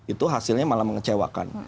itu hasilnya malah mengecewakan